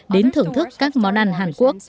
đến thưởng thức các món ăn hàn quốc